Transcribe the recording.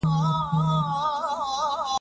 که ښوونه په پښتو وي نو زده کوونکی نه ناهیلی کيږي.